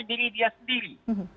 mengukur diri dia sendiri